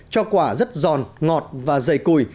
cho quả rất giòn ngọt và dày cùi